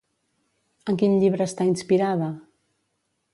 En quin llibre està inspirada?